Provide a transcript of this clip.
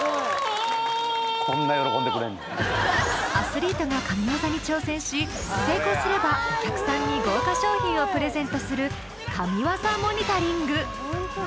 アスリートが神技に挑戦し成功すればお客さんに豪華商品をプレゼントする神技モニタリング